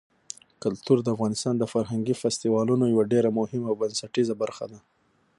کلتور د افغانستان د فرهنګي فستیوالونو یوه ډېره مهمه او بنسټیزه برخه ده.